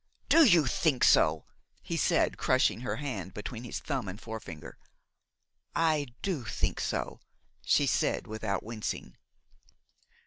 "Do you think so?" he said, crushing her hand between his thumb and forefinger. "I do think so," she said, without wincing.